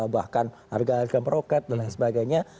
bahkan harga harga meroket dan lain sebagainya